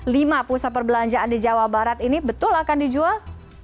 lima pusat perbelanjaan di jawa barat ini betul akan dijual